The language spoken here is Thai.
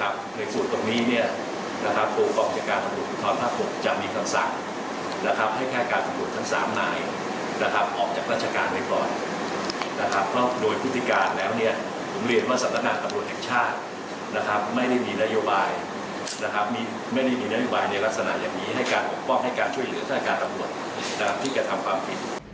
การป้องให้การช่วยเหลือทางการตำรวจดังที่การทำความผิด